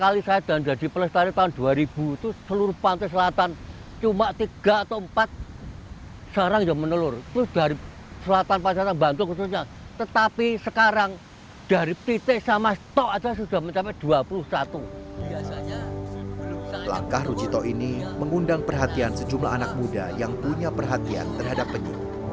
langkah rujito ini mengundang perhatian sejumlah anak muda yang punya perhatian terhadap penyu